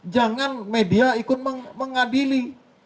jangan media ikut mengadili